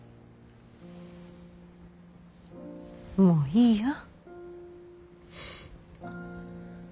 もういいよ。